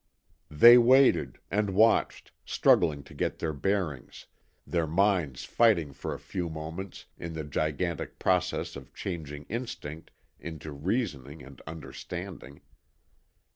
They waited, and watched, struggling to get their bearings, their minds fighting for a few moments in the gigantic process of changing instinct into reasoning and understanding.